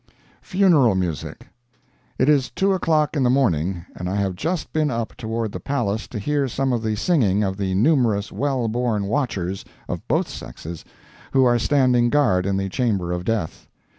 FUNERAL MUSIC It is two o'clock in the morning and I have just been up toward the palace to hear some of the singing of the numerous well born watchers (of both sexes) who are standing guard in the chamber of death.